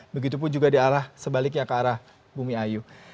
begitupun juga di arah sebaliknya ke arah bumi ayu